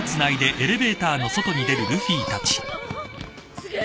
すげえ！